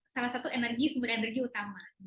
salah satu energi sumber energi utama